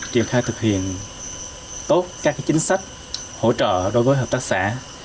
triển khai thực hiện tốt các chính sách hỗ trợ đối với hợp tác xã